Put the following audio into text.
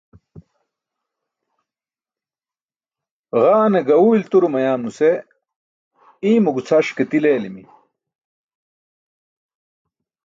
Ġaane gaẏu ilturo mayaam nuse iimo gucʰaraṣ ke til eelimi